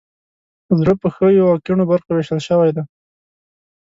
زړه په ښیو او کیڼو برخو ویشل شوی دی.